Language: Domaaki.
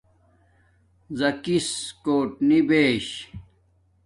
زَکس کوٹ نبش